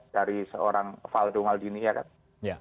dari seorang valdo maldini ya kan